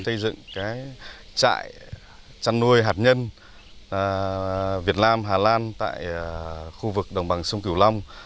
xây dựng trại chăn nuôi hạt nhân việt nam hà lan tại khu vực đồng bằng sông cửu long